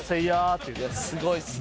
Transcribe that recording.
すごいっすね。